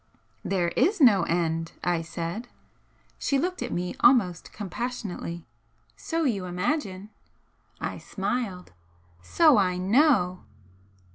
"There is no end!" I said. She looked at me almost compassionately. "So you imagine!" I smiled. "So I KNOW!"